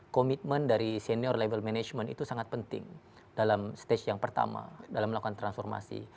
komitmen dari senior level management itu sangat penting dalam stage yang pertama dalam melakukan transformasi